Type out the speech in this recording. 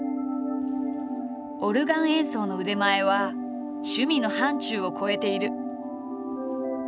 オルガン演奏の腕前は趣味の範疇を超えている。